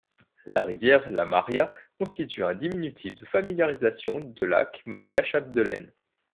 La rivière La Maria constitue un diminutif de familiarisation de lac Maria-Chapdelaine.